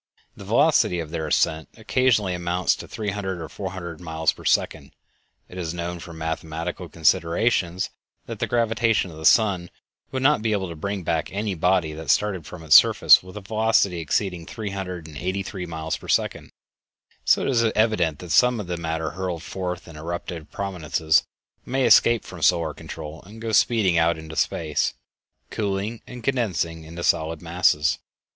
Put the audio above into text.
The velocity of their ascent occasionally amounts to three hundred or four hundred miles per second. It is known from mathematical considerations that the gravitation of the sun would not be able to bring back any body that started from its surface with a velocity exceeding three hundred and eighty three miles per second; so it is evident that some of the matter hurled forth in eruptive prominences may escape from solar control and go speeding out into space, cooling and condensing into solid masses.